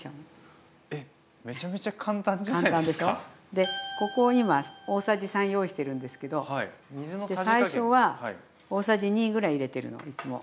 でここに今大さじ３用意してるんですけど最初は大さじ２ぐらい入れてるのいつも。